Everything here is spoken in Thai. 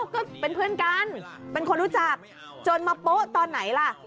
ก็เป็นเพื่อนกันเป็นคนรู้จักจนมาโป๊ะตอนไหนล่ะ